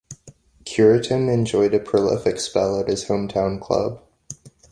Cureton enjoyed a prolific spell at his hometown club.